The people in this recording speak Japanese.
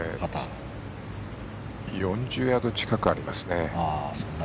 ４０ヤード近くありますね。